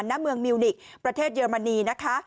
ณเมืองมิวนิกประเทศเยอรมนีนะคะ